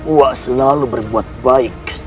wak selalu berbuat baik